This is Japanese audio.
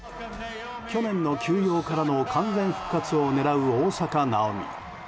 去年の休養からの完全復活を狙う大坂なおみ。